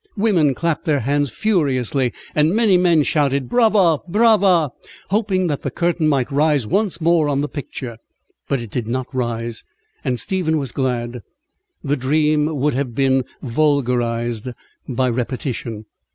Women clapped their hands furiously and many men shouted "brava, brava," hoping that the curtain might rise once more on the picture; but it did not rise, and Stephen was glad. The dream would have been vulgarized by repetition.